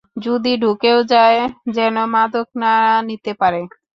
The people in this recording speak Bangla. যদি ঢুকেও যায়, যেনো মাদক না নিতে পারে।